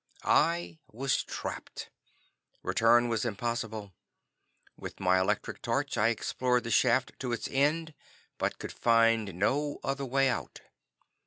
I was trapped. Return was impossible. With my electric torch I explored the shaft to its end, but could find no other way out.